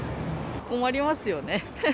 困りますよね。